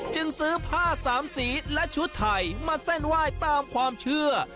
จึงซื้อผ้าสามสีและชุดไทยมาเส้นไหว้ตามความเชื่อ